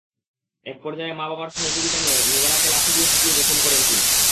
একপর্যায়ে মা-বাবার সহযোগিতা নিয়ে নিরালাকে লাঠি দিয়ে পিটিয়ে জখম করেন তিনি।